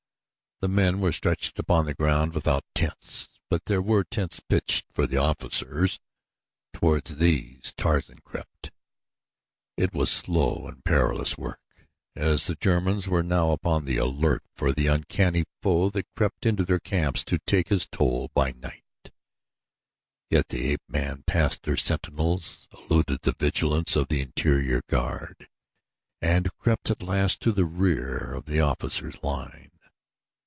The men were stretched upon the ground without tents; but there were tents pitched for the officers. Toward these Tarzan crept. It was slow and perilous work, as the Germans were now upon the alert for the uncanny foe that crept into their camps to take his toll by night, yet the ape man passed their sentinels, eluded the vigilance of the interior guard, and crept at last to the rear of the officers' line.